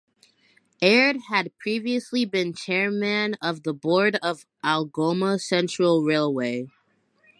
Aird had previously been chairman of the board of Algoma Central Railway.